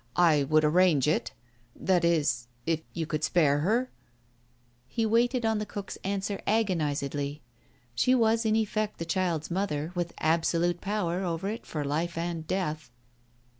... I would arrange it. ... That is, if you could spare her ?" He waited on the cook's answer agonizedly. She was in effect the child's mother, with absolute power over it for life and death.